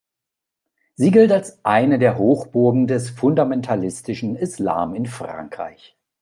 Sie gilt als eine der Hochburgen des fundamentalistischen Islam in Frankreich.